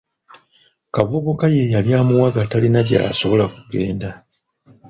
Kaabuvubuka ye yali amuwaga talina gy'asobola kugenda.